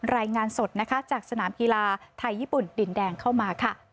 รายงานสดนะคะจากสนามกีฬาไทยญี่ปุ่นดินแดงเข้ามาค่ะ